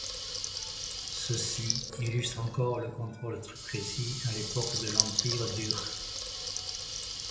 Ceci illustre encore le contrôle très précis à l'époque de l'empire d'Ur.